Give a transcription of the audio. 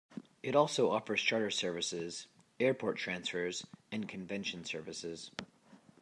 It also offers charter services, airport transfers, and convention services.